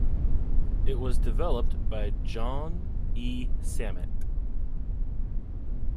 It was developed by Jean E. Sammet.